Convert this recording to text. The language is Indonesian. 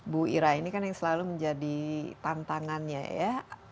bu ira ini kan yang selalu menjadi tantangannya ya